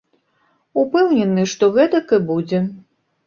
Упэўнены, што гэтак і будзе.